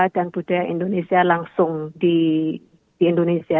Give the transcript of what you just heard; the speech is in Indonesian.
dan budaya indonesia langsung di indonesia